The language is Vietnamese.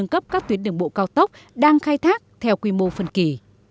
cấp các tuyến đường bộ cao tốc đang khai thác theo quy mô phân kỳ